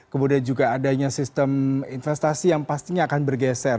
kemudian juga adanya sistem investasi yang pastinya akan bergeser